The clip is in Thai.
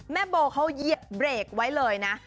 โบเขาเหยียบเบรกไว้เลยนะ